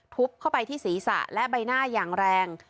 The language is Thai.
ทุบเข้าไปที่ศีรษะและใบหน้าอย่างแรง